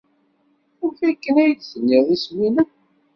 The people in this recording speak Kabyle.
Amek akken ay d-tenniḍ isem-nnem?